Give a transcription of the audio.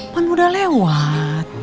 kan udah lewat